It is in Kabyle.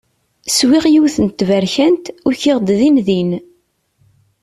Swiɣ yiwet n tberkant, ukiɣ-d din din.